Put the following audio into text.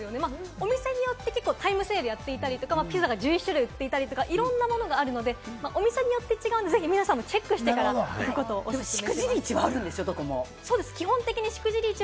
お店によってタイムセールやっていたりとか、ピザが１１種類売っていたりとか、いろんなものがあるので、お店によって違うので、皆さんもチェックしてから行くことをおすすめします。